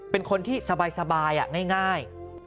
เป็นคนที่สบายง่าย